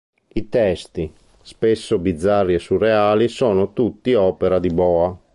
I testi, spesso bizzarri e surreali, sono tutti opera di Boa.